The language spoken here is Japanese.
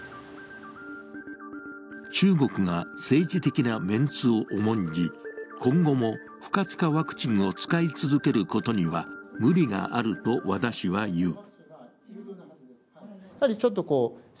中国が政治的なメンツを重んじ、今後も不活化ワクチンを使い続けることには無理があると和田氏は言う。